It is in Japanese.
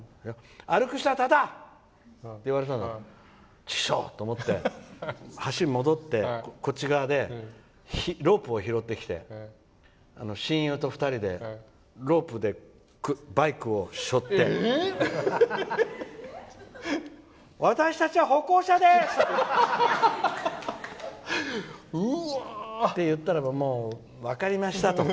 歩く人はタダって言われたからチクショウ！って思って橋に戻ってロープを拾ってきて親友と２人でロープでバイクを背負って私たちは歩行者です！って言ったらばもう、分かりましたと。